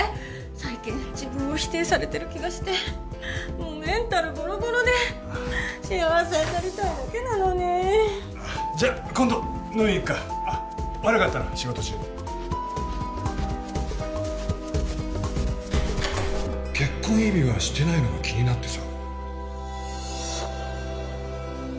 最近自分を否定されてる気がしてもうメンタルボロボロで幸せになりたいだけなのにじゃあ今度飲みに行くかあっ悪かったな仕事中に結婚指輪してないのが気になってさ